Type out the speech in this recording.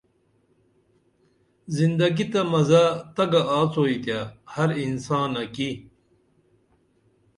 زندگی تہ مزہ تگہ آڅوئی تے ہر انسانہ کی